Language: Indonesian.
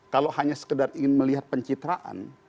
kalau hanya sekedar ingin melihat pencitraan